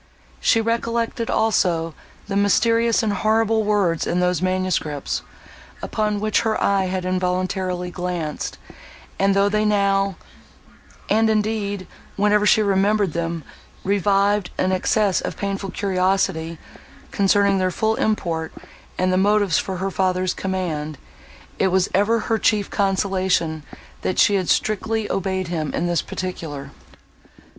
—She recollected also the mysterious and horrible words in those manuscripts, upon which her eye had involuntarily glanced; and, though they now, and, indeed, whenever she remembered them, revived an excess of painful curiosity, concerning their full import, and the motives for her father's command, it was ever her chief consolation, that she had strictly obeyed him in this particular.